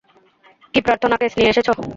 কী প্রার্থনা, কেস নিয়ে এসেছ?